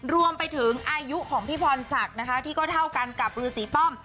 รวมไปถึงอายุของพี่พรศักดิ์นะคะที่ก็เท่ากันกับรือสีป้อม